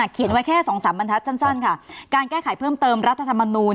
เขียนไว้แค่๒๓บรรทัศน์สั้นค่ะการแก้ไขเพิ่มเติมรัฐธรรมนูล